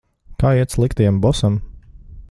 Kā iet sliktajam bosam?